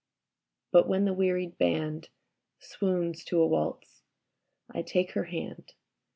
... But when the wearied Band Swoons to a waltz, I take her hand.